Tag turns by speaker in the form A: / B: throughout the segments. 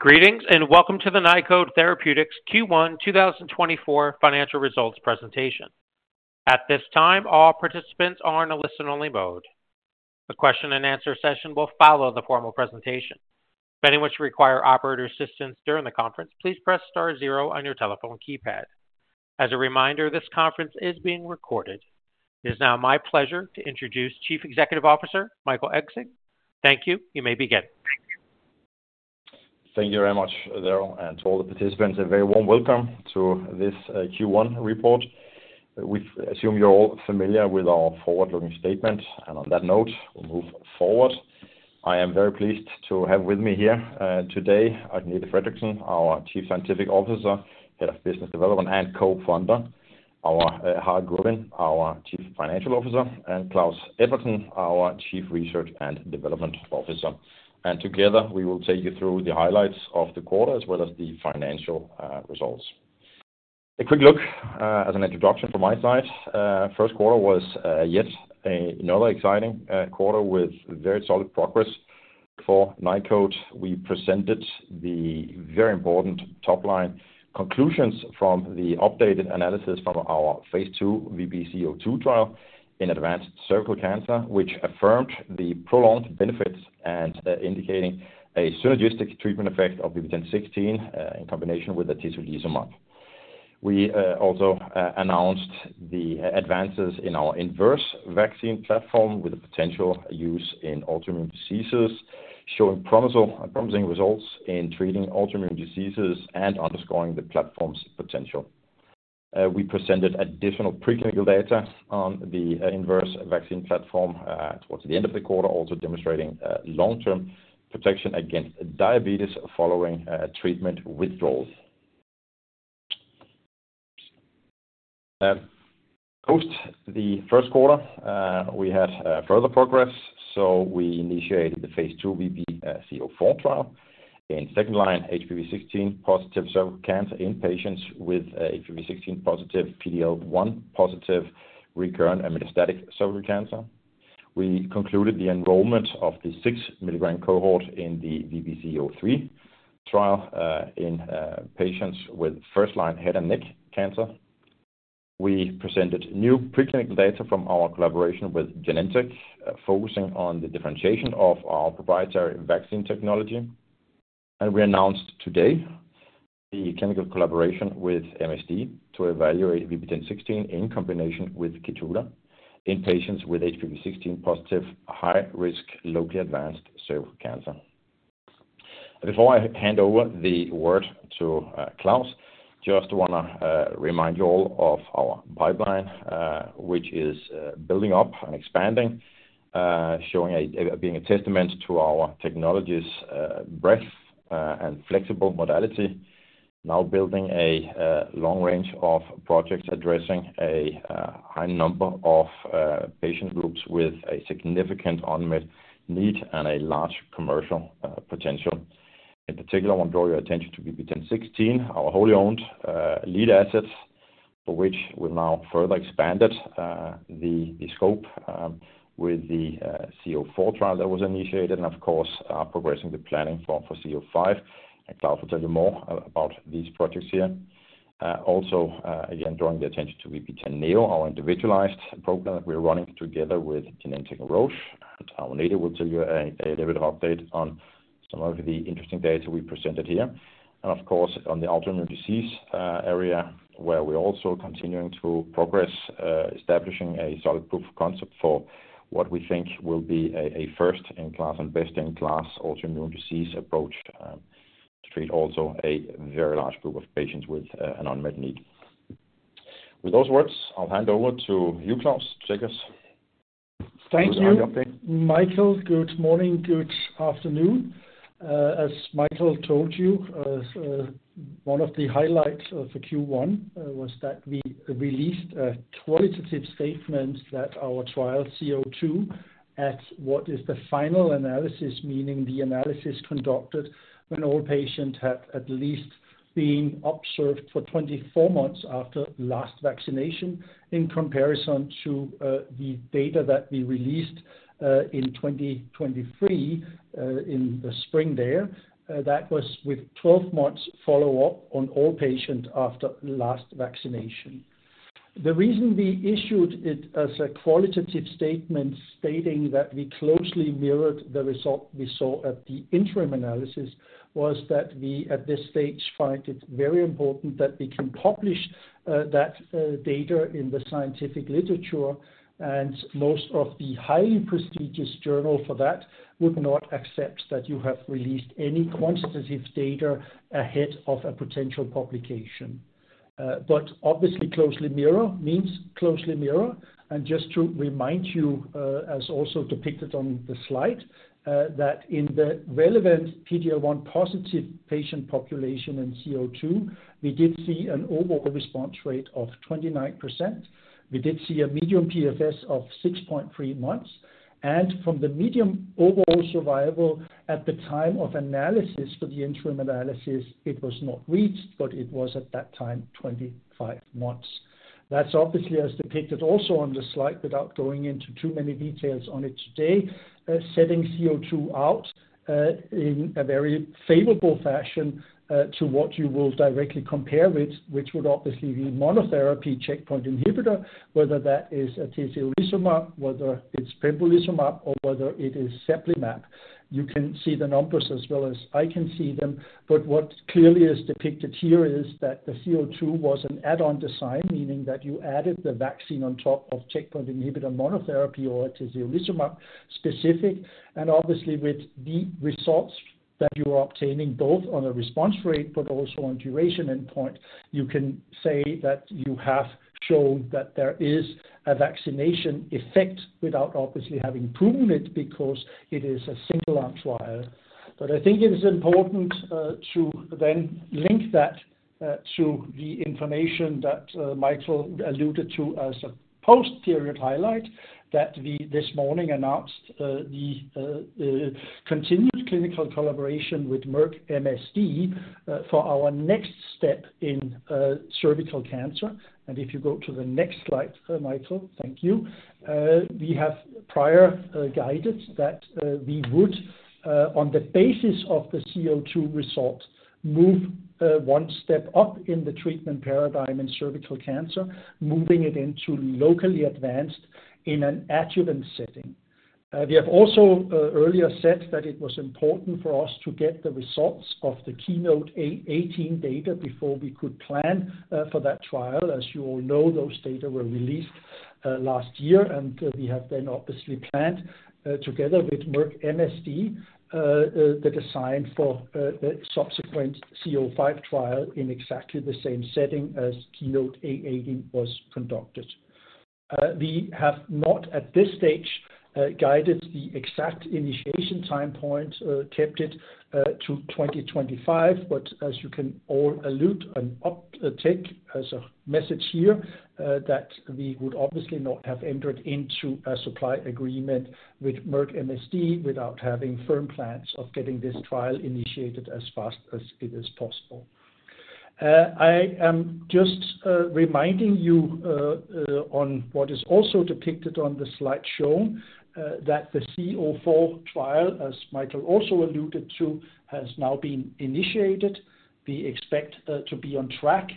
A: Greetings, and welcome to the Nykode Therapeutics Q1 2024 financial results presentation. At this time, all participants are in a listen-only mode. A question and answer session will follow the formal presentation. If any which require operator assistance during the conference, please press star zero on your telephone keypad. As a reminder, this conference is being recorded. It is now my pleasure to introduce Chief Executive Officer, Michael Engsig. Thank you. You may begin.
B: Thank you very much, Daryl, and to all the participants, a very warm welcome to this Q1 report. We assume you're all familiar with our forward-looking statement, and on that note, we'll move forward. I am very pleased to have with me here today Agnete Fredriksen, our Chief Scientific Officer, Head of Business Development and Co-Founder, our Harald Gurvin, our Chief Financial Officer, and Klaus Edvardsen, our Chief Research and Development Officer. And together, we will take you through the highlights of the quarter, as well as the financial results. A quick look as an introduction from my side. First quarter was yet another exciting quarter with very solid progress for Nykode. We presented the very important top line conclusions from the updated analysis from our phase II VB-C-02 trial in advanced cervical cancer, which affirmed the prolonged benefits and indicating a synergistic treatment effect of VB10.16 in combination with atezolizumab. We also announced the advances in our inverse vaccine platform with a potential use in autoimmune diseases, showing promising results in treating autoimmune diseases and underscoring the platform's potential. We presented additional preclinical data on the inverse vaccine platform towards the end of the quarter, also demonstrating long-term protection against diabetes following treatment withdrawals. Post the first quarter, we had further progress, so we initiated the phase II VB-C-04 trial in second-line HPV16-positive cervical cancer in patients with HPV16-positive, PD-L1-positive, recurrent and metastatic cervical cancer. We concluded the enrollment of the 6 mg cohort in the VB-C-03 trial in patients with first-line head and neck cancer. We presented new preclinical data from our collaboration with Genentech, focusing on the differentiation of our proprietary vaccine technology. And we announced today the clinical collaboration with MSD to evaluate VB10.16 in combination with Keytruda in patients with HPV16-positive, high-risk, locally advanced cervical cancer. Before I hand over the word to Klaus, just want to remind you all of our pipeline, which is building up and expanding, showing, being a testament to our technology's breadth and flexible modality. Now building a long range of projects addressing a high number of patient groups with a significant unmet need and a large commercial potential. In particular, I want to draw your attention to VB10.16, our wholly owned lead assets, for which we've now further expanded the scope with the VB-C-04 trial that was initiated, and of course, progressing the planning for VB-C-05. And Klaus will tell you more about these projects here. Also, again, drawing the attention to VB10.NEO, our individualized program that we're running together with Genentech and Roche. And later, we'll tell you a little bit of update on some of the interesting data we presented here. And of course, on the autoimmune disease area, where we're also continuing to progress establishing a solid proof of concept for what we think will be a first-in-class and best-in-class autoimmune disease approach to treat also a very large group of patients with an unmet need. With those words, I'll hand over to you, Klaus. Take us-
C: Thank you, Michael. Good morning, good afternoon. As Michael told you, so one of the highlights of the Q1 was that we released a qualitative statement that our trial, VB-C-02, at what is the final analysis, meaning the analysis conducted when all patients had at least been observed for 24 months after last vaccination, in comparison to the data that we released in 2023, in the spring there, that was with 12 months follow-up on all patients after last vaccination. The reason we issued it as a qualitative statement, stating that we closely mirrored the result we saw at the interim analysis, was that we, at this stage, find it very important that we can publish that data in the scientific literature, and most of the highly prestigious journals for that would not accept that you have released any quantitative data ahead of a potential publication. But obviously, closely mirror means closely mirror. And just to remind you, as also depicted on the slide, that in the relevant PD-L1 positive patient population in VB-C-02, we did see an overall response rate of 29%. We did see a median PFS of 6.3 months, and from the median overall survival at the time of analysis for the interim analysis, it was not reached, but it was at that time, 25 months. That's obviously as depicted also on the slide, without going into too many details on it today, setting VB-C-02 out in a very favorable fashion to what you will directly compare with, which would obviously be monotherapy checkpoint inhibitor, whether that is atezolizumab, whether it's pembrolizumab, or whether it is cemiplimab. You can see the numbers as well as I can see them, but what clearly is depicted here is that the VB-C-02 was an add-on design, meaning that you added the vaccine on top of checkpoint inhibitor monotherapy or atezolizumab specific. And obviously, with the results that you are obtaining, both on a response rate but also on duration endpoint, you can say that you have shown that there is a vaccination effect without obviously having proven it, because it is a single arm trial. But I think it is important to then link that-... To the information that Michael alluded to as a post-period highlight, that we this morning announced the continued clinical collaboration with Merck MSD for our next step in cervical cancer. And if you go to the next slide, Michael. Thank you. We have prior guided that we would on the basis of the VB-C-02 result move one step up in the treatment paradigm in cervical cancer, moving it into locally advanced in an adjuvant setting. We have also earlier said that it was important for us to get the results of the KEYNOTE-A18 data before we could plan for that trial. As you all know, those data were released last year, and we have then obviously planned together with Merck MSD the design for subsequent VB-C-05 trial in exactly the same setting as KEYNOTE-A18 was conducted. We have not, at this stage, guided the exact initiation time point, kept it to 2025. But as you can allude, an uptake as a message here, that we would obviously not have entered into a supply agreement with Merck MSD without having firm plans of getting this trial initiated as fast as it is possible. I am just reminding you on what is also depicted on the slide shown, that the VB-C-04 trial, as Michael also alluded to, has now been initiated. We expect to be on track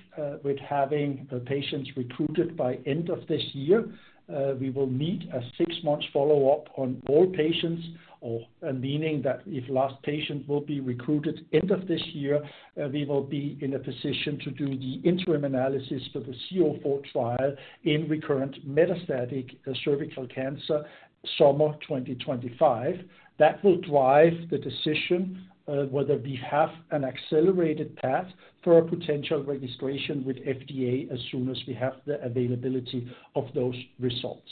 C: with having the patients recruited by end of this year. We will meet a six-month follow-up on all patients or, meaning that if last patient will be recruited end of this year, we will be in a position to do the interim analysis for the VB-C-04 trial in recurrent metastatic cervical cancer, summer 2025. That will drive the decision, whether we have an accelerated path for a potential registration with FDA as soon as we have the availability of those results.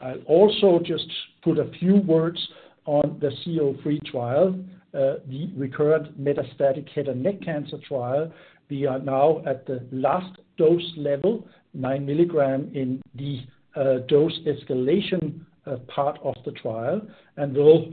C: I'll also just put a few words on the VB-C-03 trial, the recurrent metastatic head and neck cancer trial. We are now at the last dose level, 9 mg in the dose escalation part of the trial, and will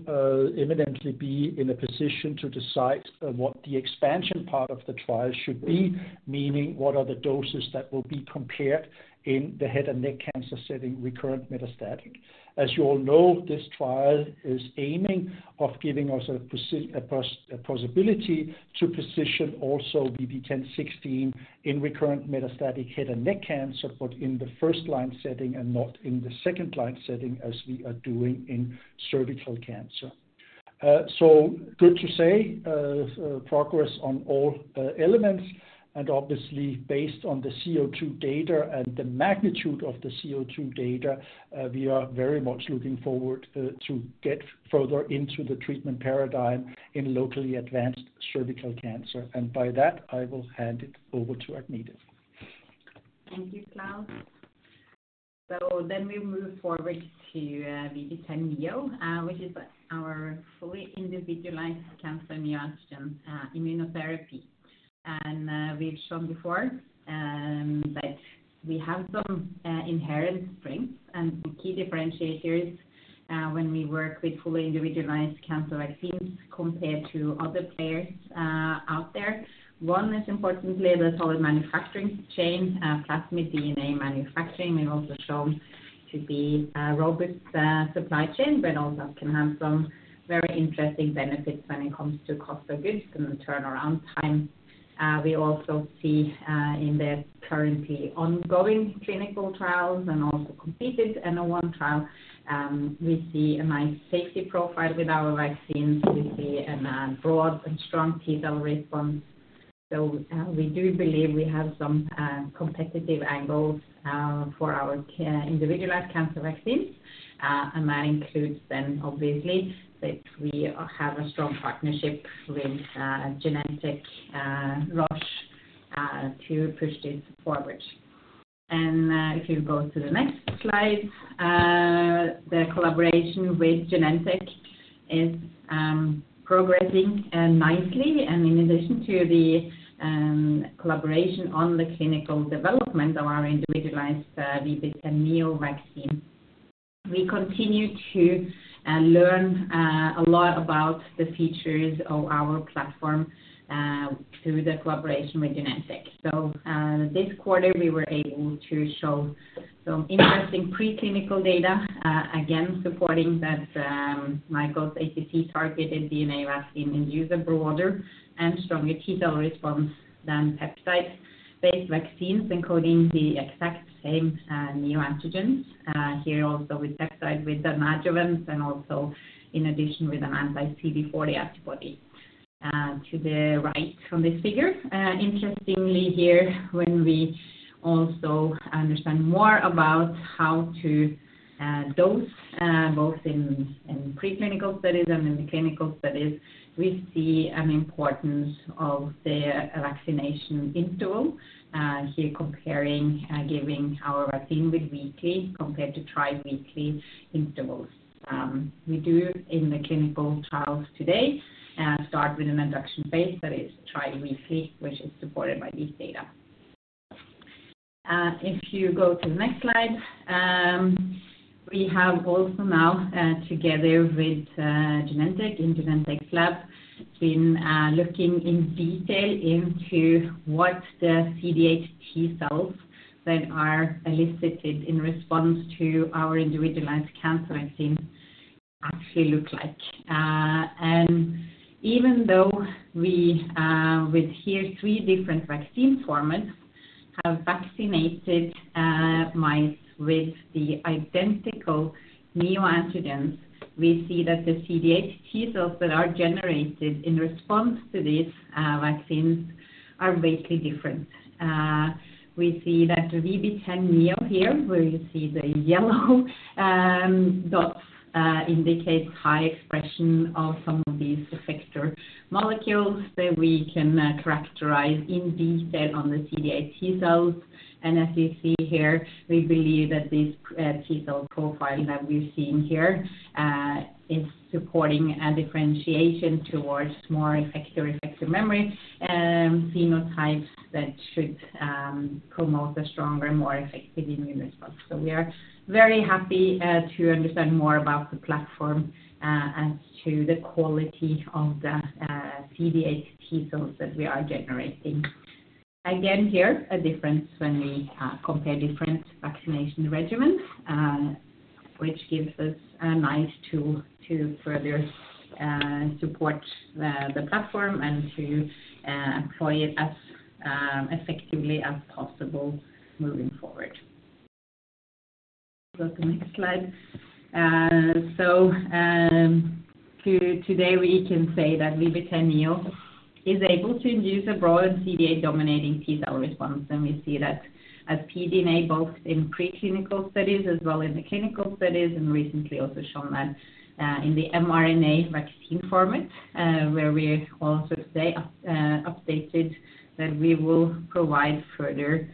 C: imminently be in a position to decide what the expansion part of the trial should be. Meaning, what are the doses that will be compared in the head and neck cancer setting, recurrent metastatic. As you all know, this trial is aiming of giving us a possibility to position also VB10.16 in recurrent metastatic head and neck cancer, but in the first line setting and not in the second line setting, as we are doing in cervical cancer. So good to say progress on all elements, and obviously, based on the VB-C-02 data and the magnitude of the VB-C-02 data, we are very much looking forward to get further into the treatment paradigm in locally advanced cervical cancer. And by that, I will hand it over to Agnete.
D: Thank you, Klaus. So then we move forward to VB10.NEO, which is our fully individualized cancer neoantigen immunotherapy. And we've shown before that we have some inherent strengths and the key differentiators when we work with fully individualized cancer vaccines compared to other players out there. One is importantly, the solid manufacturing chain, plasmid DNA manufacturing, has also been shown to be a robust supply chain, but also can have some very interesting benefits when it comes to cost of goods and the turnaround time. We also see in the currently ongoing clinical trials and also completed N-of-one trial, we see a nice safety profile with our vaccines. We see a broad and strong T-cell response. So we do believe we have some competitive angles for our individualized cancer vaccines. And that includes then, obviously, that we have a strong partnership with Genentech, Roche, to push this forward. And if you go to the next slide, the collaboration with Genentech is progressing nicely. And in addition to the collaboration on the clinical development of our individualized VB10.NEO vaccine, we continue to learn a lot about the features of our platform through the collaboration with Genentech. So this quarter, we were able to show some interesting preclinical data again, supporting that Nykode's APC-targeted DNA vaccine induces a broader and stronger T-cell response than peptide-based vaccines, including the exact same neoantigens. Here, also with peptide, with an adjuvant, and also in addition, with an anti-CD40 antibody. To the right from this figure, interestingly here, when we also understand more about how to dose both in preclinical studies and in the clinical studies, we see an importance of the vaccination interval. Here comparing giving our vaccine with weekly compared to tri-weekly intervals. We do in the clinical trials today start with an induction phase that is tri-weekly, which is supported by this data. If you go to the next slide, we have also now together with Genentech, in Genentech's lab, been looking in detail into what the CD8 T cells that are elicited in response to our individualized cancer vaccine actually look like. And even though we with here three different vaccine formats have vaccinated mice with the identical neoantigens, we see that the CD8 T cells that are generated in response to these vaccines are vastly different. We see that the VB10.NEO here, where you see the yellow dots, indicates high expression of some of these effector molecules that we can characterize in detail on the CD8 T cells. And as you see here, we believe that this T cell profile that we've seen here is supporting a differentiation towards more effector, effector memory phenotypes that should promote a stronger, more effective immune response. So we are very happy to understand more about the platform and to the quality of the CD8 T cells that we are generating. Again, here, a difference when we compare different vaccination regimens, which gives us a nice tool to further support the platform and to deploy it as effectively as possible moving forward. Go to the next slide. So, today, we can say that VB10.NEO is able to induce a broad CD8 dominating T cell response, and we see that as pDNA, both in preclinical studies as well in the clinical studies, and recently also shown that in the mRNA vaccine format, where we also say updated that we will provide further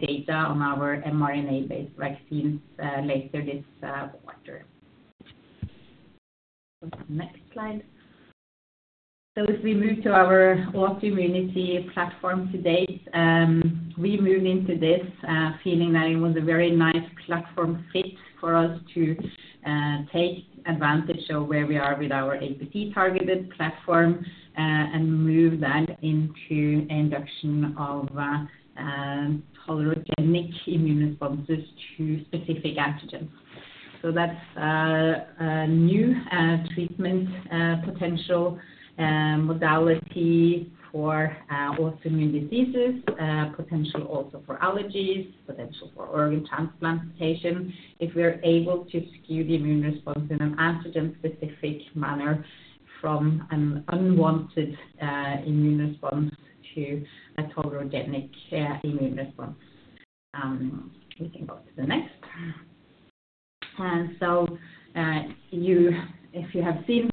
D: data on our mRNA-based vaccines later this quarter. Go to the next slide. So as we move to our autoimmunity platform to date, we moved into this, feeling that it was a very nice platform fit for us to take advantage of where we are with our APC-targeted platform, and move that into induction of tolerogenic immune responses to specific antigens. So that's a new treatment potential modality for autoimmune diseases, potential also for allergies, potential for organ transplantation, if we are able to skew the immune response in an antigen-specific manner from an unwanted immune response to a tolerogenic immune response. We can go to the next. And so, you... If you have seen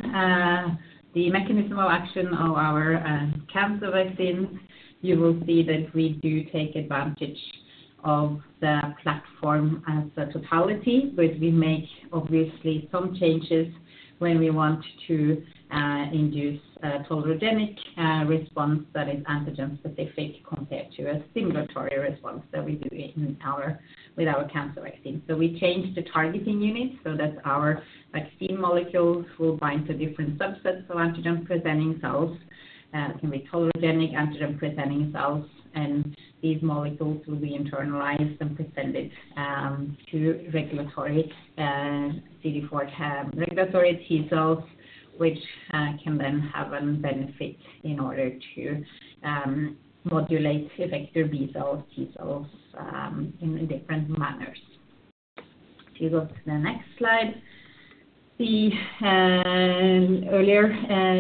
D: the mechanism of action of our cancer vaccine, you will see that we do take advantage of the platform as a totality, but we make obviously some changes when we want to induce a tolerogenic response that is antigen-specific compared to a stimulatory response that we do with our cancer vaccine. So we change the targeting unit so that our vaccine molecules will bind to different subsets of antigen-presenting cells, can be tolerogenic antigen-presenting cells, and these molecules will be internalized and presented to regulatory CD4 regulatory T cells, which can then have a benefit in order to modulate effector B cells, T cells in different manners. If you go to the next slide, earlier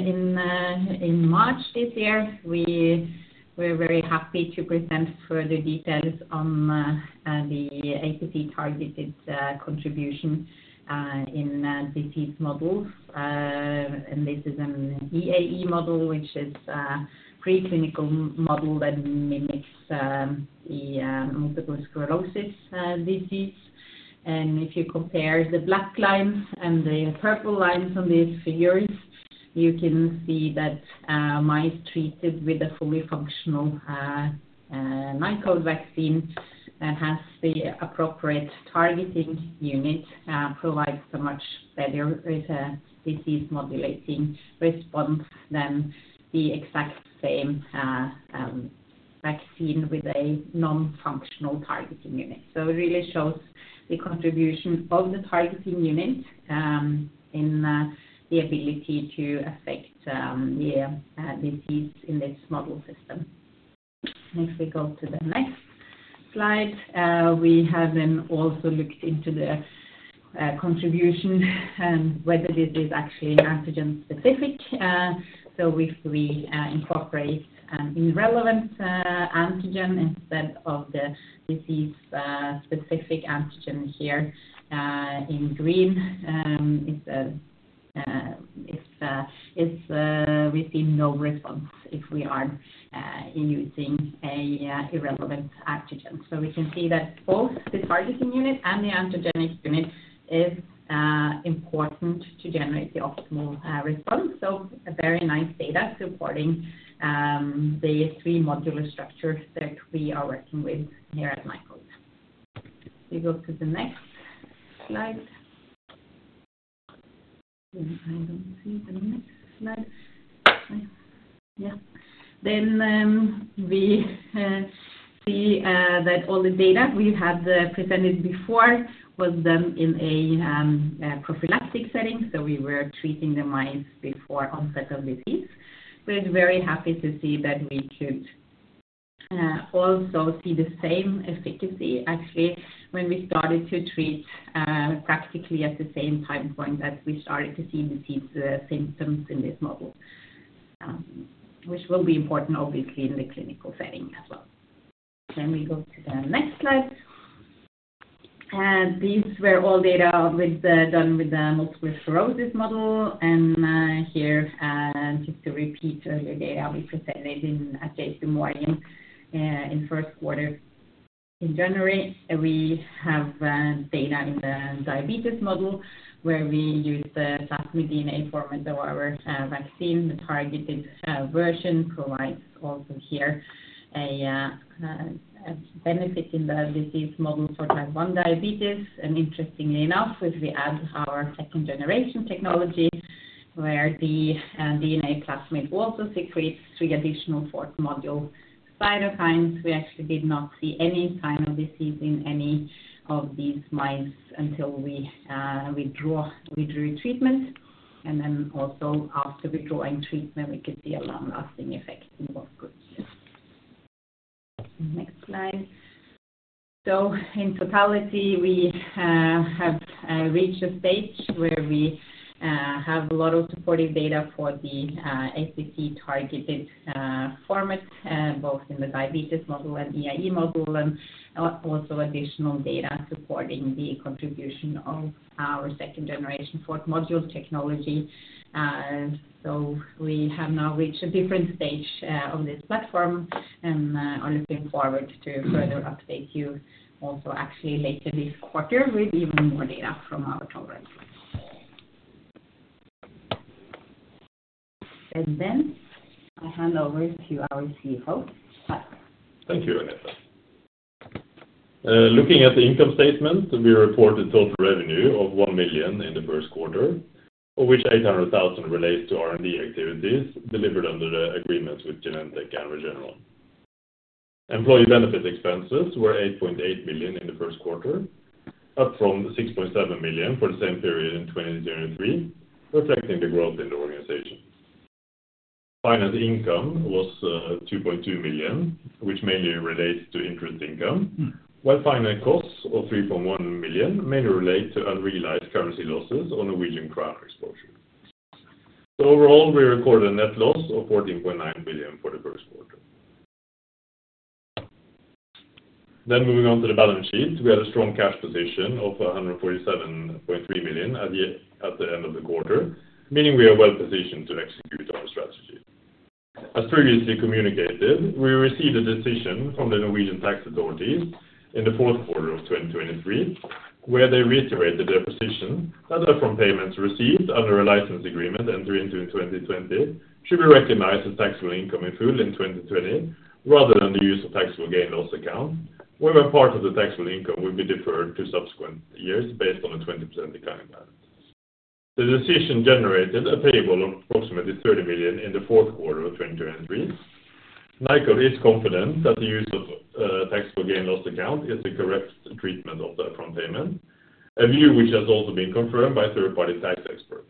D: in March this year, we were very happy to present further details on the APC-targeted contribution in a disease model. This is an EAE model, which is a preclinical model that mimics the multiple sclerosis disease. If you compare the black lines and the purple lines on these figures, you can see that mice treated with a fully functional Nykode vaccine that has the appropriate targeting unit provides a much better disease-modulating response than the exact same vaccine with a non-functional targeting unit. It really shows the contribution of the targeting unit in the ability to affect the disease in this model system. Next, we go to the next slide. We have then also looked into the contribution and whether this is actually antigen-specific. So if we incorporate an irrelevant antigen instead of the disease specific antigen here in green, if we see no response if we are using a irrelevant antigen. So we can see that both the targeting unit and the antigenic unit is important to generate the optimal response. So a very nice data supporting the three modular structures that we are working with here at Nykode. We go to the next slide. And I don't see the next slide. Yeah. Then we see that all the data we have presented before was done in a prophylactic setting, so we were treating the mice before onset of disease. We're very happy to see that we could also see the same efficacy, actually, when we started to treat practically at the same time point that we started to see the disease symptoms in this model, which will be important obviously in the clinical setting as well. Then we go to the next slide. These were all data done with the multiple sclerosis model, and here just to repeat earlier data we presented in JPMorgan in first quarter. In January, we have data in the diabetes model, where we use the plasmid DNA format of our vaccine. The targeted version provides also here a benefit in the disease model for type 1 diabetes. Interestingly enough, if we add our second generation technology, where the DNA plasmid also secretes three additional fourth module cytokines, we actually did not see any sign of disease in any of these mice until we withdrew treatment. And then also after withdrawing treatment, we could see a long-lasting effect in what groups. Next slide. In totality, we have reached a stage where we have a lot of supportive data for the APC-targeted format, both in the diabetes model and EAE model, and also additional data supporting the contribution of our second generation fourth module technology. We have now reached a different stage on this platform, and are looking forward to further update you also actually later this quarter with even more data from our programs. And then I hand over to our CFO, Harald.
E: Thank you, Agnete. Looking at the income statement, we reported total revenue of 1 million in the first quarter, of which 800,000 relates to R&D activities delivered under the agreements with Genentech and Regeneron. Employee benefit expenses were 8.8 million in the first quarter, up from the 6.7 million for the same period in 2023, reflecting the growth in the organization. Finance income was two point two million, which mainly relates to interest income, while finance costs of 3.1 million mainly relate to unrealized currency losses on a NOK 1 million exposure. So overall, we recorded a net loss of 14.9 million for the first quarter. Then moving on to the balance sheet, we had a strong cash position of 147.3 million at the end of the quarter, meaning we are well positioned to execute our strategy. As previously communicated, we received a decision from the Norwegian tax authorities in the fourth quarter of 2023, where they reiterated their position that are from payments received under a license agreement entering into 2020, should be recognized as taxable income in full in 2020, rather than the use of taxable gain loss account, where a part of the taxable income will be deferred to subsequent years based on a 20% decline. The decision generated a payable of approximately 30 million in the fourth quarter of 2023. Nykode is confident that the use of taxable gain loss account is the correct treatment of the upfront payment, a view which has also been confirmed by third-party tax experts.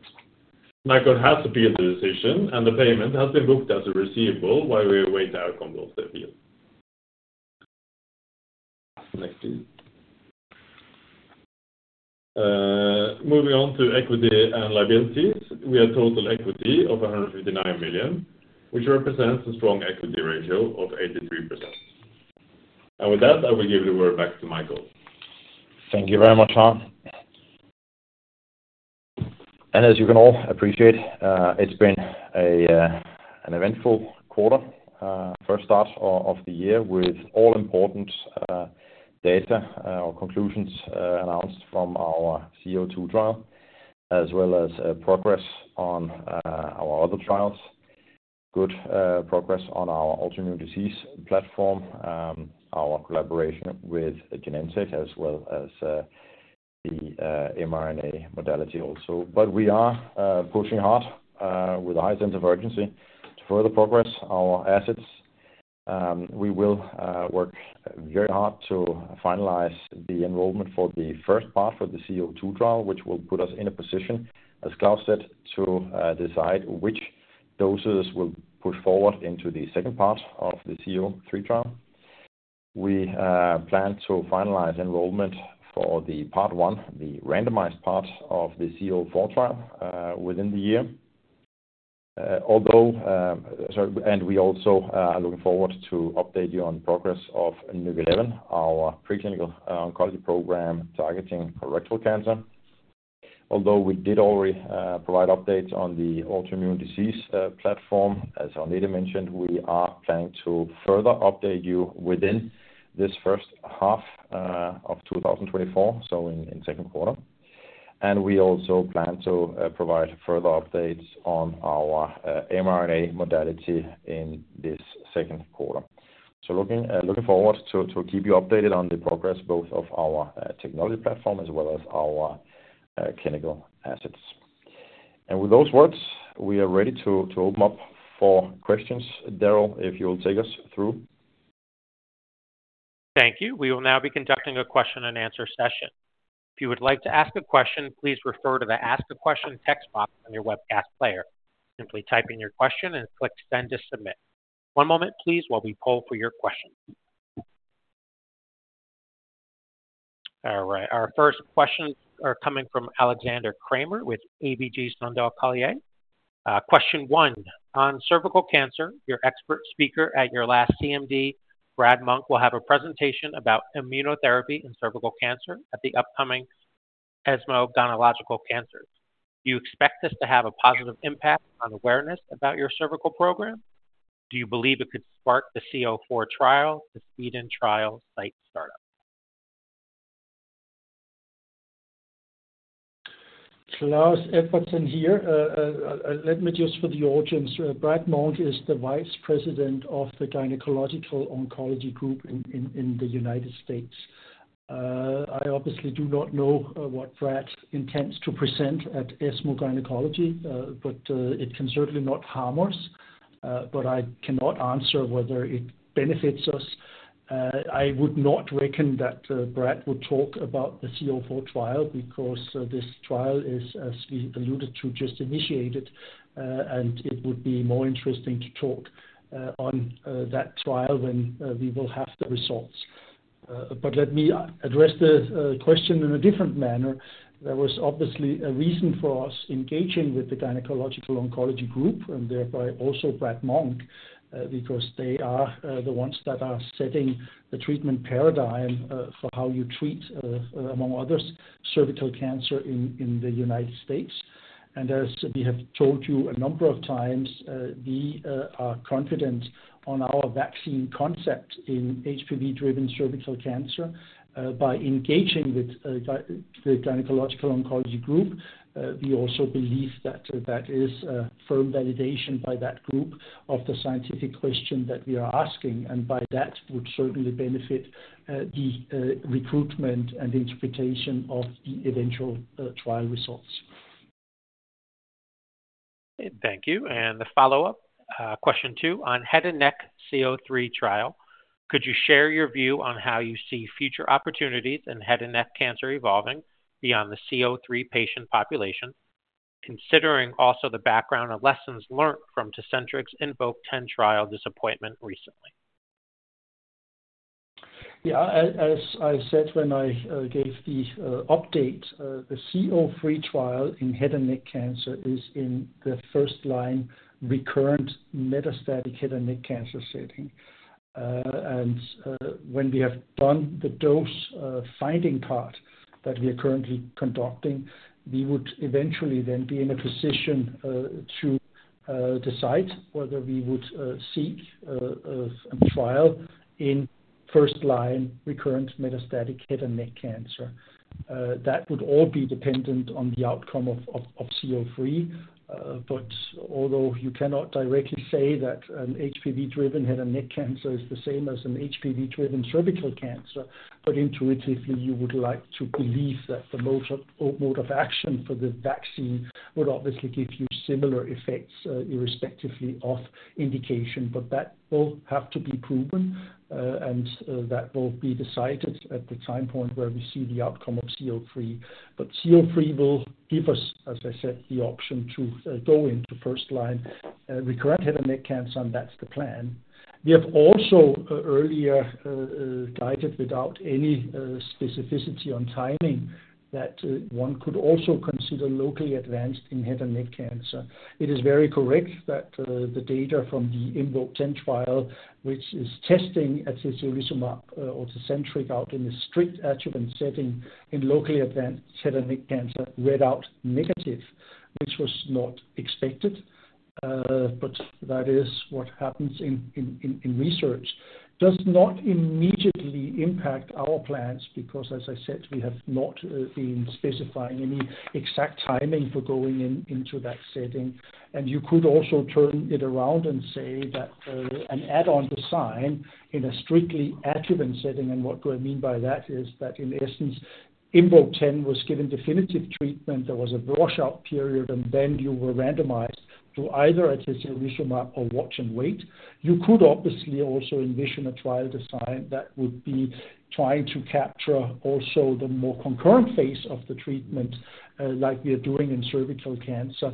E: Nykode has appealed the decision, and the payment has been booked as a receivable while we await the outcome of the appeal. Next, please. Moving on to equity and liabilities, we have total equity of 159 million, which represents a strong equity ratio of 83%. And with that, I will give the word back to Michael.
B: Thank you very much, Harald. As you can all appreciate, it's been an eventful quarter, first quarter of the year, with all important data or conclusions announced from our VB-C-02 trial, as well as progress on our other trials. Good progress on our autoimmune disease platform, our collaboration with Genentech, as well as the mRNA modality also. We are pushing hard with a high sense of urgency to further progress our assets. We will work very hard to finalize the enrollment for the first part of the VB-C-02 trial, which will put us in a position, as Klaus said, to decide which doses we'll push forward into the second part of the VB-C-03 trial. We plan to finalize enrollment for the part one, the randomized part of the VB-C-04 trial, within the year, and we also are looking forward to update you on progress of NYK011, our preclinical oncology program targeting colorectal cancer. Although we did already provide updates on the autoimmune disease platform, as Agnete mentioned, we are planning to further update you within this first half of 2024, so in second quarter. And we also plan to provide further updates on our mRNA modality in this second quarter. So looking forward to keep you updated on the progress, both of our technology platform as well as our clinical assets. And with those words, we are ready to open up for questions. Daryl, if you'll take us through.
A: Thank you. We will now be conducting a question and answer session. If you would like to ask a question, please refer to the Ask a Question text box on your webcast player. Simply type in your question and click Send to submit. One moment, please, while we poll for your question. All right, our first question are coming from Alexander Krämer with ABG Sundal Collier. Question one, on cervical cancer, your expert speaker at your last CMD, Brad Monk, will have a presentation about immunotherapy and cervical cancer at the upcoming ESMO gynecological cancers. Do you expect this to have a positive impact on awareness about your cervical program? Do you believe it could spark the C-04 trial to speed in trial site startup?
C: Klaus Edvardsen here. Let me just for the audience, Brad Monk is the vice president of the GOG Foundation in the United States. I obviously do not know what Brad intends to present at ESMO Gynecology, but it can certainly not harm us, but I cannot answer whether it benefits us. I would not reckon that Brad would talk about the VB-C-04 trial because this trial is, as we alluded to, just initiated, and it would be more interesting to talk on that trial when we will have the results. But let me address the question in a different manner. There was obviously a reason for us engaging with the Gynecologic Oncology Group, and thereby also Brad Monk, because they are the ones that are setting the treatment paradigm for how you treat, among others, cervical cancer in the United States. As we have told you a number of times, we are confident on our vaccine concept in HPV-driven cervical cancer, by engaging with the Gynecologic Oncology Group. We also believe that that is a firm validation by that group of the scientific question that we are asking, and by that would certainly benefit the recruitment and interpretation of the eventual trial results.
A: Thank you. The follow-up, question two on head and neck VB-C-03 trial. Could you share your view on how you see future opportunities in head and neck cancer evolving beyond the VB-C-03 patient population, considering also the background of lessons learned from Tecentriq's IMvoke010 trial disappointment recently?
C: Yeah, as I said, when I gave the update, the VB-C-03 trial in head and neck cancer is in the first line, recurrent metastatic head and neck cancer setting. And when we have done the dose finding part that we are currently conducting, we would eventually then be in a position to decide whether we would seek a trial in first line recurrent metastatic head and neck cancer. That would all be dependent on the outcome of VB-C-03. But although you cannot directly say that an HPV-driven head and neck cancer is the same as an HPV-driven cervical cancer, but intuitively, you would like to believe that the mode of action for the vaccine would obviously give you similar effects, irrespectively of indication. But that will have to be proven, and that will be decided at the time point where we see the outcome of VB-C-03. But VB-C-03 will give us, as I said, the option to go into first line recurrent head and neck cancer, and that's the plan. We have also earlier guided without any specificity on timing, that one could also consider locally advanced in head and neck cancer. It is very correct that the data from the IMvoke010 trial, which is testing atezolizumab or Tecentriq out in a strict adjuvant setting in locally advanced head and neck cancer, read out negative, which was not expected, but that is what happens in research. Does not immediately impact our plans, because as I said, we have not been specifying any exact timing for going in, into that setting. And you could also turn it around and say that, an add-on design in a strictly adjuvant setting, and what do I mean by that is that in essence, IMvoke010 was given definitive treatment. There was a washout period, and then you were randomized to either atezolizumab or watch and wait. You could obviously also envision a trial design that would be trying to capture also the more concurrent phase of the treatment, like we are doing in cervical cancer.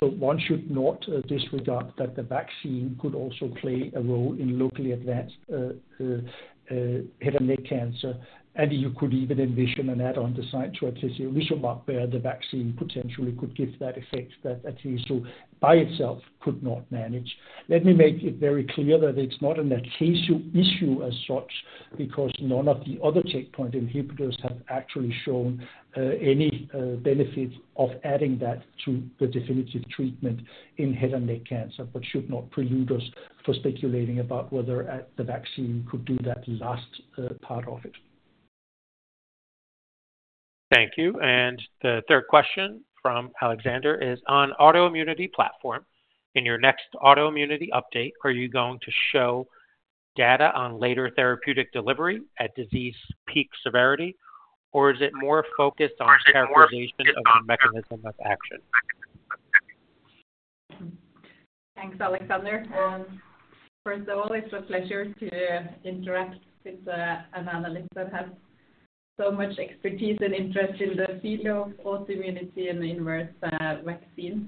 C: So one should not disregard that the vaccine could also play a role in locally advanced head and neck cancer, and you could even envision an add-on design to atezolizumab, where the vaccine potentially could give that effect that atezo by itself could not manage. Let me make it very clear that it's not an atezo issue as such, because none of the other checkpoint inhibitors have actually shown any benefit of adding that to the definitive treatment in head and neck cancer, but should not prelude us for speculating about whether the vaccine could do that last part of it. ...
A: Thank you. And the third question from Alexander is on autoimmunity platform. In your next autoimmunity update, are you going to show data on later therapeutic delivery at disease peak severity, or is it more focused on characterization of the mechanism of action?
D: Thanks, Alexander. First of all, it's a pleasure to interact with an analyst that has so much expertise and interest in the field of autoimmunity and inverse vaccines.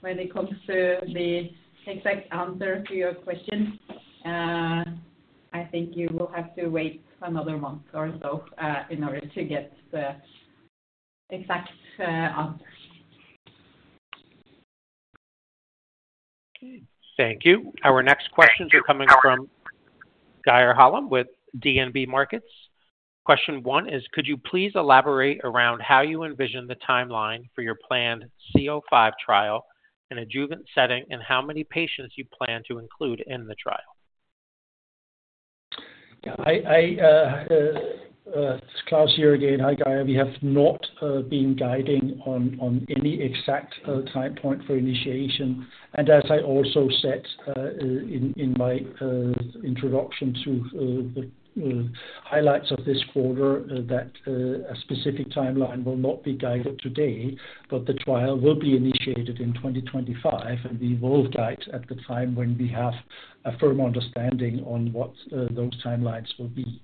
D: When it comes to the exact answer to your question, I think you will have to wait another month or so in order to get the exact answer.
A: Thank you. Our next questions are coming from Geir Hiller Holom with DNB Markets. Question one is, could you please elaborate around how you envision the timeline for your planned VB-C-05 trial in adjuvant setting, and how many patients you plan to include in the trial?
C: Yeah, it's Klaus here again. Hi, Geir. We have not been guiding on any exact time point for initiation. As I also said in my introduction to the highlights of this quarter, that a specific timeline will not be guided today, but the trial will be initiated in 2025, and we will guide at the time when we have a firm understanding on what those timelines will be.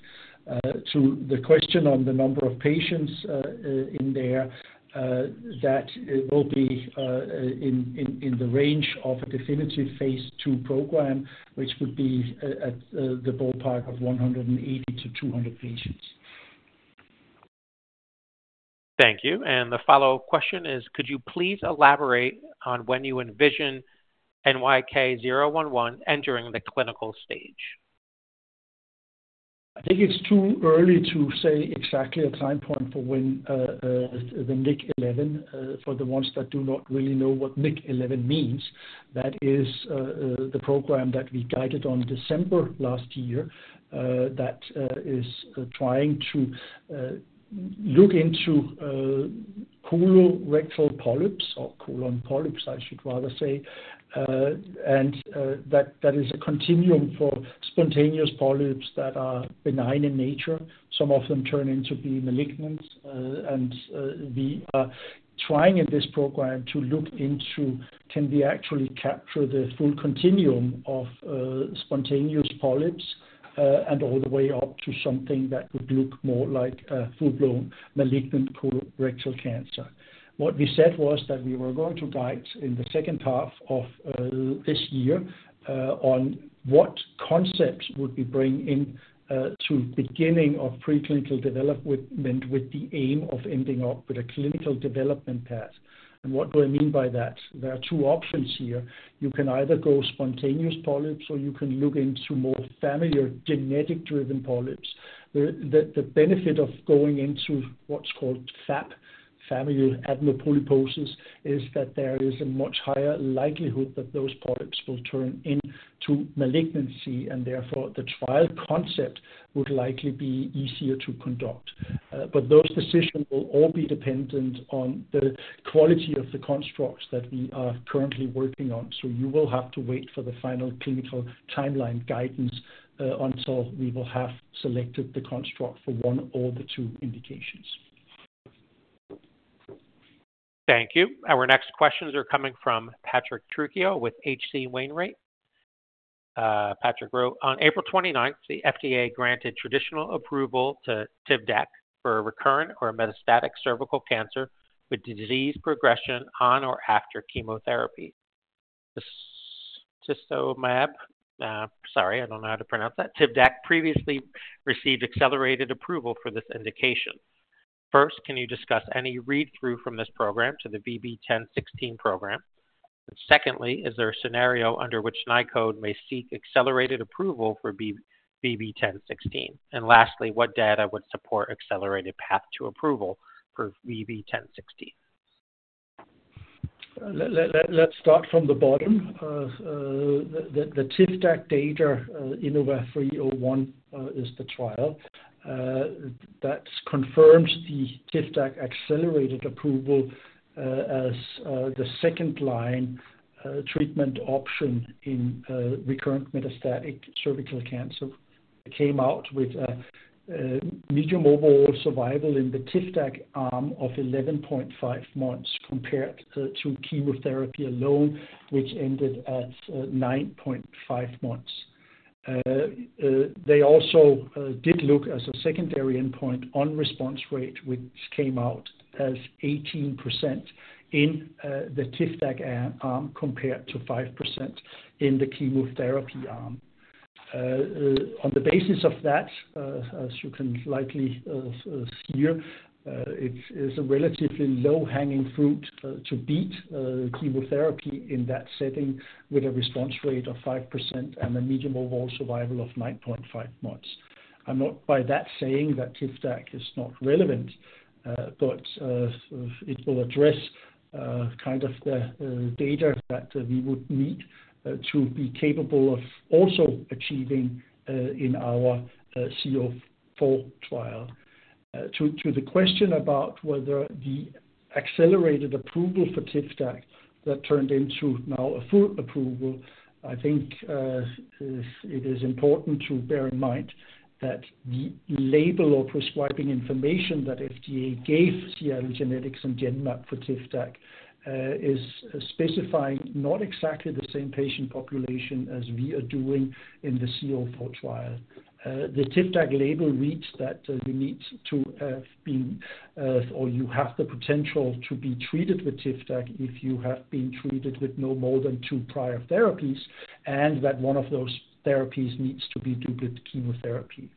C: To the question on the number of patients in there, that it will be in the range of a definitive phase II program, which would be at the ballpark of 180 patients -200 patients.
A: Thank you. The follow-up question is, could you please elaborate on when you envision NYK011 entering the clinical stage?
C: I think it's too early to say exactly a time point for when, the NYK011, for the ones that do not really know what NYK011 means, that is, the program that we guided on December last year, that is trying to look into, colorectal polyps or colon polyps, I should rather say. That is a continuum for spontaneous polyps that are benign in nature. Some of them turn into being malignant. We are trying in this program to look into can we actually capture the full continuum of, spontaneous polyps, and all the way up to something that would look more like a full-blown malignant colorectal cancer. What we said was that we were going to guide in the second half of this year on what concepts would we bring in to beginning of preclinical development, with the aim of ending up with a clinical development path. And what do I mean by that? There are two options here. You can either go spontaneous polyps, or you can look into more familiar genetic-driven polyps. The benefit of going into what's called FAP, Familial Adenomatous Polyposis, is that there is a much higher likelihood that those polyps will turn into malignancy, and therefore, the trial concept would likely be easier to conduct. But those decisions will all be dependent on the quality of the constructs that we are currently working on. So you will have to wait for the final clinical timeline guidance, until we will have selected the construct for one or the two indications.
A: Thank you. Our next questions are coming from Patrick Trucchio with H.C. Wainwright. Patrick wrote: On 29th April, the FDA granted traditional approval to Tivdak for recurrent or metastatic cervical cancer with disease progression on or after chemotherapy. This innovaTV 301, uh, sorry, I don't know how to pronounce that. Tivdak previously received accelerated approval for this indication. First, can you discuss any read-through from this program to the VB10.16 program? And secondly, is there a scenario under which Nykode may seek accelerated approval for VB10.16? And lastly, what data would support accelerated path to approval for VB10.16?
C: Let's start from the bottom. The Tivdak data, innovaTV 301, is the trial that confirms the Tivdak accelerated approval as the second-line treatment option in recurrent metastatic cervical cancer. It came out with median overall survival in the Tivdak arm of 11.5 months, compared to chemotherapy alone, which ended at 9.5 months. They also did look at a secondary endpoint on response rate, which came out as 18% in the Tivdak arm, compared to 5% in the chemotherapy arm. On the basis of that, as you can likely see here, it is a relatively low-hanging fruit to beat chemotherapy in that setting, with a response rate of 5% and a median overall survival of 9.5 months. I'm not by that saying that Tivdak is not relevant, but it will address kind of the data that we would need to be capable of also achieving in our VB-C-04 trial. To the question about whether the accelerated approval for Tivdak that turned into now a full approval, I think it is important to bear in mind that the label or prescribing information that FDA gave Seagen and Genmab for Tivdak is specifying not exactly the same patient population as we are doing in the VB-C-04 trial. The Tivdak label reads that you need to have been, or you have the potential to be treated with Tivdak if you have been treated with no more than two prior therapies, and that one of those therapies needs to be platinum-doublet chemotherapy.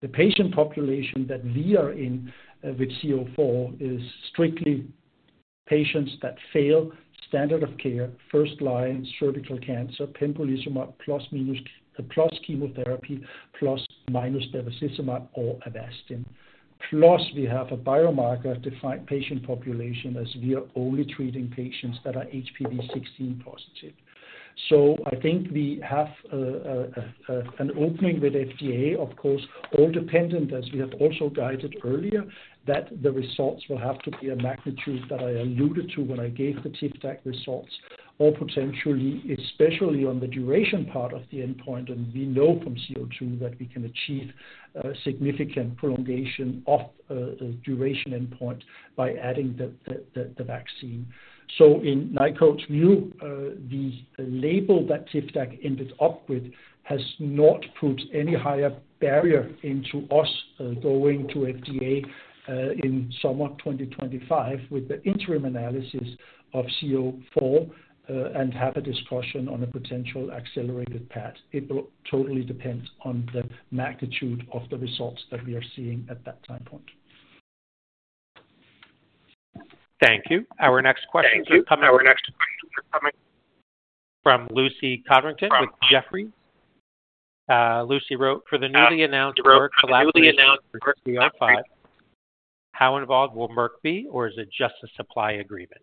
C: The patient population that we are in, with VB-C-04 is strictly patients that fail standard of care, first-line cervical cancer, pembrolizumab ± chemotherapy ± bevacizumab or Avastin. Plus, we have a biomarker-defined patient population as we are only treating patients that are HPV-16 positive. So I think we have, an opening with FDA. Of course, all dependent, as we have also guided earlier, that the results will have to be a magnitude that I alluded to when I gave the Tivdak results, or potentially, especially on the duration part of the endpoint. We know from VB-C-02 that we can achieve significant prolongation of the duration endpoint by adding the vaccine. So in Nykode's view, the label that Tivdak ended up with has not put any higher barrier into us going to FDA in sometime 2025, with the interim analysis of VB-C-04, and have a discussion on a potential accelerated path. It will totally depend on the magnitude of the results that we are seeing at that time point.
A: Thank you. Our next question is coming from Lucy Codrington with Jefferies. Lucy wrote, "For the newly announced work collaboration for VB-C-05, how involved will Merck be, or is it just a supply agreement?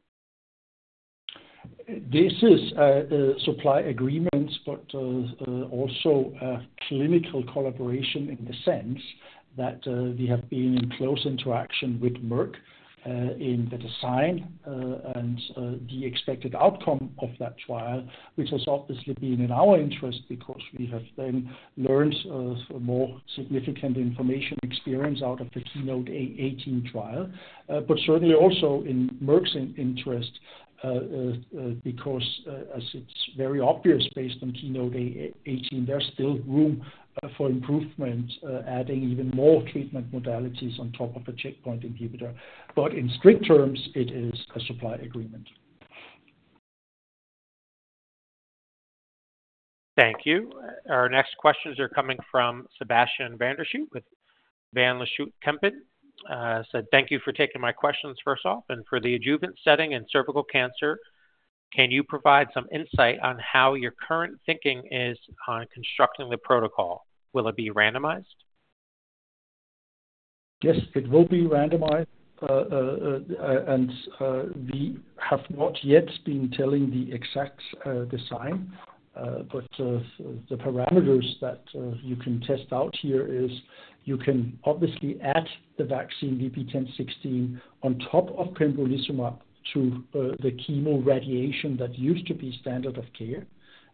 C: This is a supply agreement, but also a clinical collaboration in the sense that we have been in close interaction with Merck in the design and the expected outcome of that trial, which has obviously been in our interest because we have then learned more significant information experience out of the KEYNOTE-A18 trial. But certainly also in Merck's interest because as it's very obvious, based on KEYNOTE-A18, there's still room for improvement adding even more treatment modalities on top of a checkpoint inhibitor. But in strict terms, it is a supply agreement.
A: Thank you. Our next questions are coming from Sebastian van der Schoot with Van Lanschot Kempen, said, "Thank you for taking my questions first off, and for the adjuvant setting and cervical cancer, can you provide some insight on how your current thinking is on constructing the protocol? Will it be randomized?
C: Yes, it will be randomized. We have not yet been telling the exact design, but the parameters that you can test out here is you can obviously add the vaccine VB10.16 on top of pembrolizumab to the chemoradiation that used to be standard of care.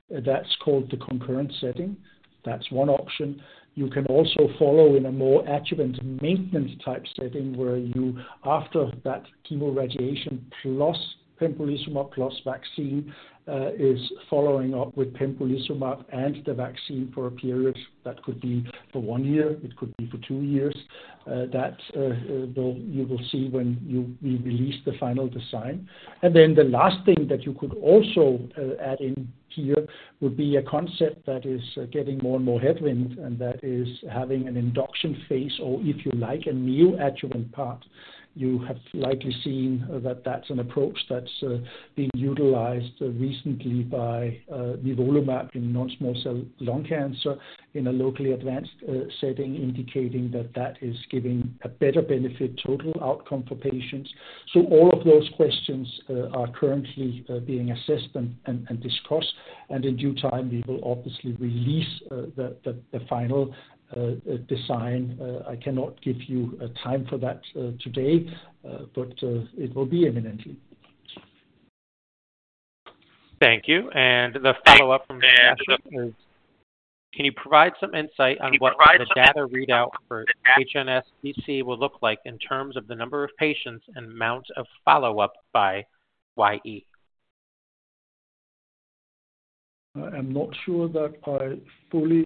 C: That's called the concurrent setting. That's one option. You can also follow in a more adjuvant maintenance type setting, where you, after that chemoradiation, plus pembrolizumab, plus vaccine, is following up with pembrolizumab and the vaccine for a period. That could be for one year, it could be for two years. That you will see when we release the final design. Then the last thing that you could also add in here would be a concept that is getting more and more tailwind, and that is having an induction phase, or if you like, a neoadjuvant part. You have likely seen that that's an approach that's been utilized recently by nivolumab in non-small cell lung cancer in a locally advanced setting, indicating that that is giving a better benefit total outcome for patients. So all of those questions are currently being assessed and discussed, and in due time, we will obviously release the final design. I cannot give you a time for that today, but it will be imminently.
A: Thank you. The follow-up from Sebastian is: Can you provide some insight on what the data readout for HNSCC will look like in terms of the number of patients and amount of follow-up by YE?
C: I'm not sure that I fully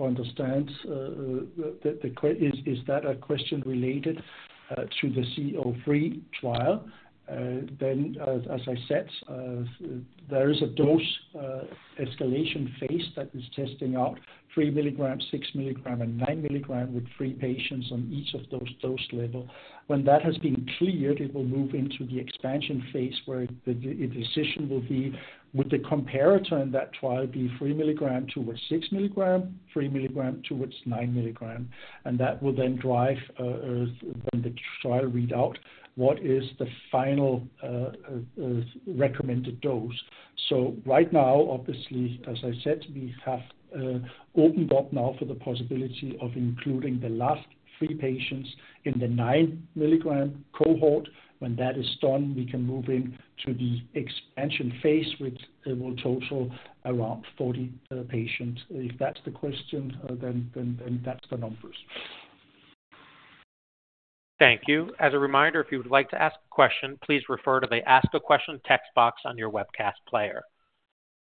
C: understand the... Is that a question related to the VB-C-03 trial? Then, as I said, there is a dose escalation phase that is testing out 3 mg, 6 mg, and 9 mg with three patients on each of those dose level. When that has been cleared, it will move into the expansion phase, where the decision will be, would the comparator in that trial be 3 mg towards 6 mg, 3 mg towards 9 mg? And that will then drive when the trial read out what is the final recommended dose. So right now, obviously, as I said, we have opened up now for the possibility of including the last three patients in the 9-mg cohort. When that is done, we can move in to the expansion phase, which it will total around 40 patients. If that's the question, then that's the numbers.
A: Thank you. As a reminder, if you would like to ask a question, please refer to the Ask a Question text box on your webcast player.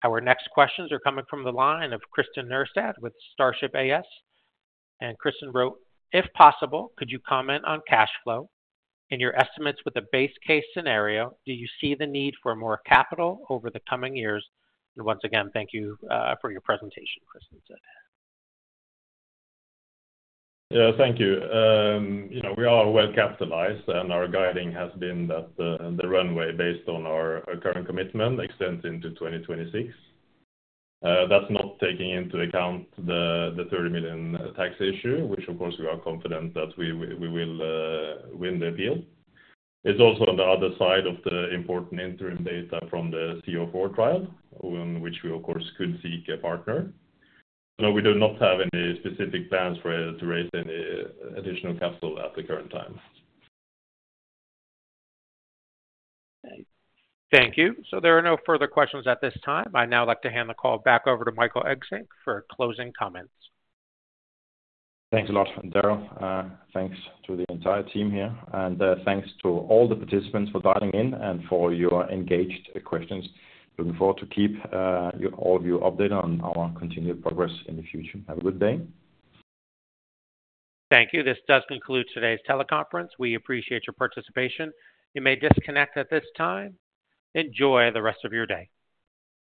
A: Our next questions are coming from the line of Kristin Nyberg with Starship AS. And Kristin wrote: If possible, could you comment on cash flow and your estimates with a base case scenario? Do you see the need for more capital over the coming years? And once again, thank you, for your presentation, Kristin said.
E: Yeah, thank you. You know, we are well capitalized, and our guiding has been that the, the runway, based on our current commitment, extends into 2026. That's not taking into account the, the 30 million tax issue, which, of course, we are confident that we, we, we will win the appeal. It's also on the other side of the important interim data from the VB-C-04 trial, which we, of course, could seek a partner. No, we do not have any specific plans for, to raise any additional capital at the current time.
A: Thank you. So there are no further questions at this time. I'd now like to hand the call back over to Michael Engsig for closing comments.
B: Thanks a lot, Daryl. Thanks to the entire team here, and, thanks to all the participants for dialing in and for your engaged questions. Looking forward to keep, you, all of you updated on our continued progress in the future. Have a good day.
A: Thank you. This does conclude today's teleconference. We appreciate your participation. You may disconnect at this time. Enjoy the rest of your day.